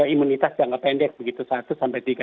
imunitas yang kependek